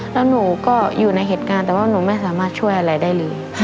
แล้วหนูก็อยู่ในเหตุการณ์แต่ว่าหนูไม่สามารถช่วยอะไรได้เลย